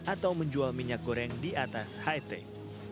atau menjual minyak goreng di atas high tech